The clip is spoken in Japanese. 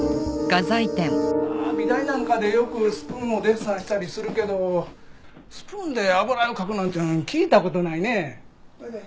美大なんかでよくスプーンをデッサンしたりするけどスプーンで油絵を描くなんて聞いた事ないね。